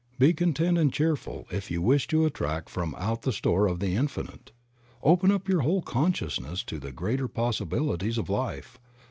Be content and cheer ful if you wish to attract from out the store of the infinite. Open up your whole consciousness to the greater possibilities of life.